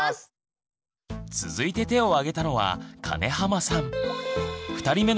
続いて手をあげたのは金濱さん。